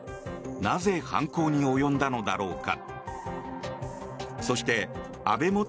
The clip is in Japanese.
なぜ犯行に及んだのだろうか。